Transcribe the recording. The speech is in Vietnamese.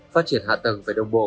phát triển hạ tầng về đồng bộ